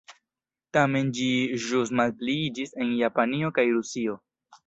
Tamen ĝi ĵus malpliiĝis en Japanio kaj Rusio.